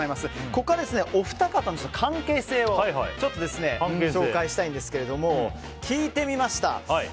ここからはお二方の関係性を紹介したいんですけど聞いてみました。